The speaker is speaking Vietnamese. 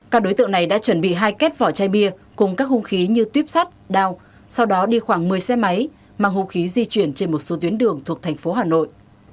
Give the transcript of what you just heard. các đối tượng này đã chuẩn bị hai kết vỏ chai bia cùng các hung khí như tuyếp sắt đào sau đó đi khoảng một mươi xe máy mang hung khí di chuyển trên một số tuyến đường thuộc thành phố hà nội